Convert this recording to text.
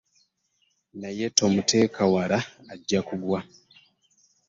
Naye tomuteeka wala ajja kugwa.